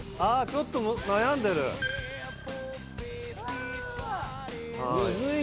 ちょっと悩んでるムズいね